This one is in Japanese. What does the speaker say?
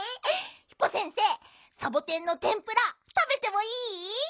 ヒポ先生サボテンのてんぷらたべてもいい？